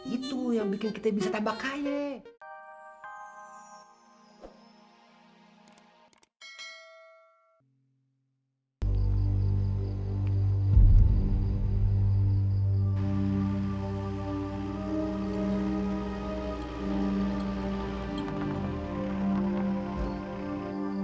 itu yang bikin kita bisa tambah kaya